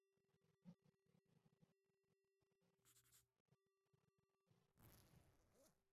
福井县坂井郡三国町出身。